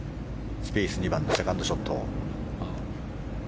スピース２番のセカンドショット。